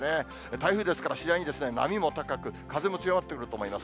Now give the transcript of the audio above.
台風ですから、次第に波も高く、風も強まってくると思います。